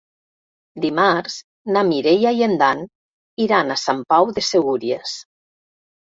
Dimarts na Mireia i en Dan iran a Sant Pau de Segúries.